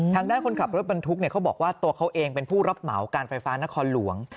ทางด้านคนขับรถบรรทุกเขาบอกว่าตัวเขาเองเป็นผู้รับเหมาการไฟฟ้านครหลวง